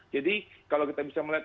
jadi kalau kita bisa melihat